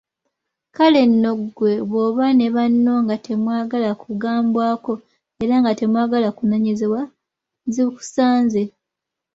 Kale nno ggwe bw'oba ne banno nga temwagala kugambwako era nga temwagala kunenyezebwa zikusanze!